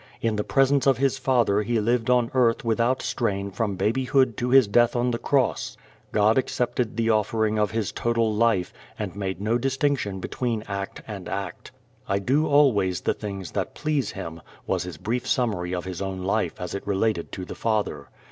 In the Presence of His Father He lived on earth without strain from babyhood to His death on the cross. God accepted the offering of His total life, and made no distinction between act and act. "I do always the things that please him," was His brief summary of His own life as it related to the Father.